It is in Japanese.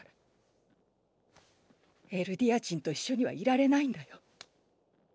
エルディア人と一緒にはいられないんだよ。